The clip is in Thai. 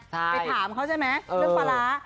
ไปถามเขาใช่ไหมเรื่องปลาร้า